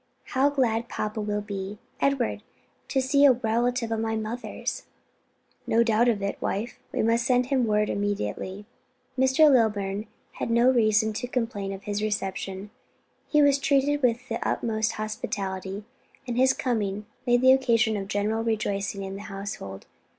How glad papa will be, Edward, to see a relative of my mother's!" "No doubt of it, wife, and we must send him word immediately." Mr. Lilburn had no reason to complain of his reception: he was treated with the utmost hospitality, and his coming made the occasion of general rejoicing in the household.